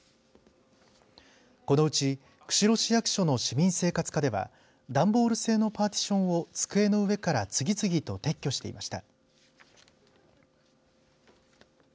このうち釧路市役所の市民生活課では段ボール製のパーティションを机の上から次々と撤去していました。